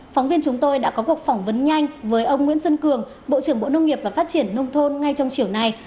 phóng viên chúng tôi đã có cuộc phỏng vấn nhanh với ông nguyễn xuân cường bộ trưởng bộ nông nghiệp và phát triển nông thôn ngay trong chiều nay